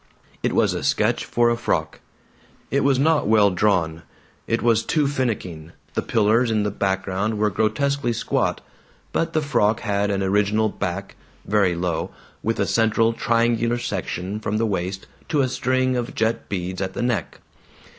It was a sketch for a frock. It was not well drawn; it was too finicking; the pillars in the background were grotesquely squat. But the frock had an original back, very low, with a central triangular section from the waist to a string of jet beads at the neck.